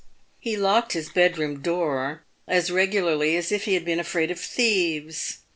He locked his bedroom door as regularly as if he had been afraid of thieves.